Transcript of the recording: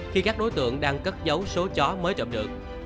khi các đối tượng đang cất giấu số chó mới trộm được